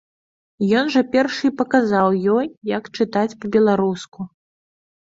Ён жа першы і паказаў ёй, як чытаць па-беларуску.